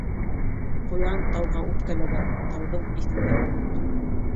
Ҡуян тауға үпкәләгән, тауҙың иҫендә лә юҡ.